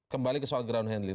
kembali ke soal ground handling